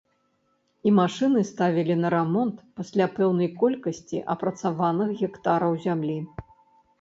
І машыны ставілі на рамонт пасля пэўнай колькасці апрацаваных гектараў зямлі.